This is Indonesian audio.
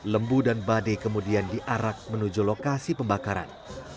lembu dan badai kemudian diarak menuju lokasi pembakaran